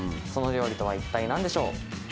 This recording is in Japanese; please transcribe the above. その料理とは一体何でしょう？